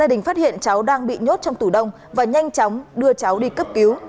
tỉnh phát hiện cháu đang bị nhốt trong tủ đông và nhanh chóng đưa cháu đi cấp cứu